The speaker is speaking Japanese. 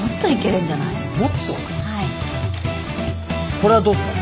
これはどうっすかね？